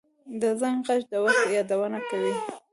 د زنګ غږ د وخت یادونه کوي